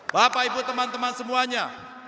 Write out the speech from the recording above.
bapak ibu teman teman semuanya